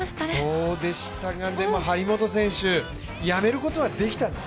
そうでしたが、でも張本選手やめることはできたんです。